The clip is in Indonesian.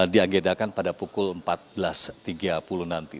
diagedakan pada pukul empat belas tiga puluh nanti